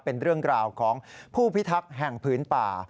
เป็นเรื่องราวของผู้พิทักษ์แห่งพื้นป่า